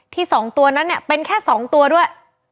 ที่๒เยี่ยมนั้นเนี่ยเป็นแค่๒ตัวด้วย